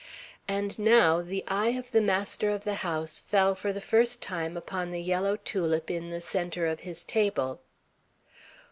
And now the eye of the master of the house fell for the first time upon the yellow tulip in the centre of his table.